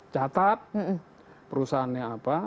catat perusahaannya apa